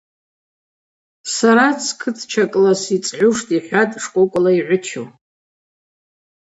Сара цкытчакӏла суцӏгӏуштӏ, – йхӏватӏ шкӏвокӏвала йгӏвычу.